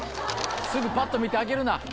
すぐパッと見て開けるな。